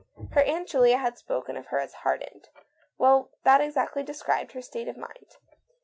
Her Aunt Julia had spoken of her as "hardened." Well, that exactly described her state of mind.